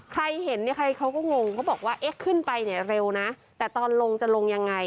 ใครเห็นเนี่ยใครเขาก็งงเขาบอกว่าเอ๊ะขึ้นไปเนี่ยเร็วนะแต่ตอนลงจะลงยังไง